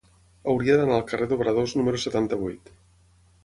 Hauria d'anar al carrer d'Obradors número setanta-vuit.